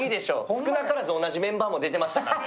少なからず同じメンバーも出てましたからね。